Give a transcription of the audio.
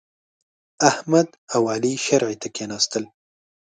احمد او علي شرعې ته کېناستل.